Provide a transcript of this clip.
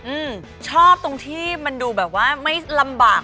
อืมชอบตรงที่มันดูแบบว่าไม่ลำบาก